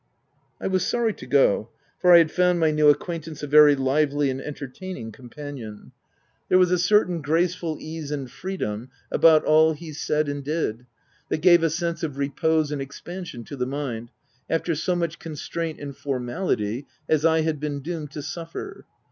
I was sorry to go, for I had found my new acquaintance a very lively and entertaining com panion. There was a certain, graceful ease and freedom about all he said and did, that gave a sense of repose and expansion to the mind, after so much constraint and formality as I had been doomed to suffer..